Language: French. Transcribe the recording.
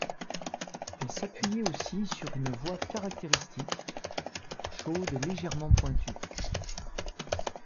Elle s'appuyait aussi sur une voix caractéristique, chaude et légèrement pointue.